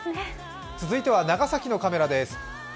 続いては長崎のカメラです。